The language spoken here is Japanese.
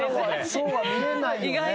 そうは見えないよね。